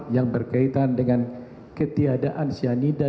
yang berkaitan dengan ketiadaan cyanida